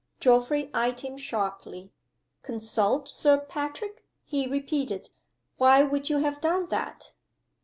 Geoffrey eyed him sharply. "Consult Sir Patrick?" he repeated. "Why would you have done that?"